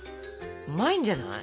うまいんじゃない？